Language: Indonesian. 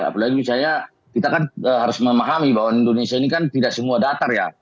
apalagi misalnya kita kan harus memahami bahwa indonesia ini kan tidak semua datar ya